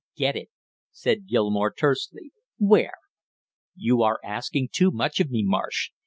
"Get it!" said Gilmore tersely. "Where?" "You are asking too much of me, Marsh.